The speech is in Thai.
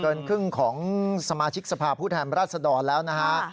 เกินครึ่งของสมาชิกสภาพผู้แทนราชดรแล้วนะฮะ